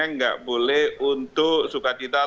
tidak boleh untuk sukacitaan